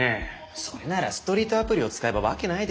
それならストリートアプリを使えばわけないですよ。